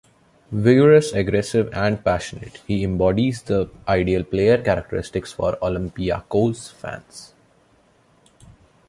Vigorous, aggressive and passionate, he embodies the ideal player characteristics for Olympiakos fans.